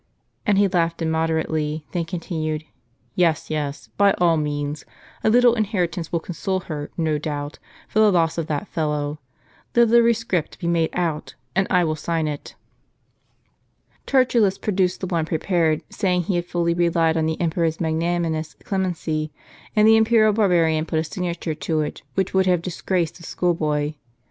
And he laughed immoderately, then continued: "Yes, yes, by all means; a little inheritance will console her, no doubt, for the loss of that fellow. Let a rescript be made out, and I will sign it." Tertullus produced the one prepared, saying he had fully relied on the emperor's magnanimous clemency; and the imperial barbarian put a signature to it which would have disgraced a schoolboy.